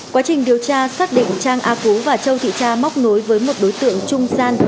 quá trình điều tra xác định trang a cú và châu thị tra móc nối với một đối tượng trung san